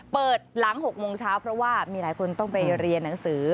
เปิดหลัง๖โมงเช้าเพราะว่ามีหลายคนต้องไปเรียนหนังสือ